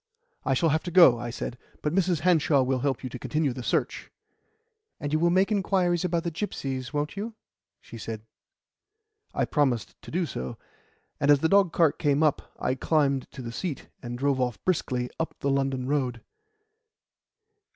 "I shall have to go," I said, "but Mrs. Hanshaw will help you to continue the search." "And you will make inquiries about the gipsies, won't you?" she said. I promised to do so, and as the dogcart now came up, I climbed to the seat, and drove off briskly up the London Road.